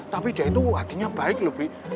tapi dia itu hatinya baik loh bi